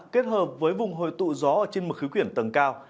kết hợp với vùng hồi tụ gió trên mực khí quyển tầng cao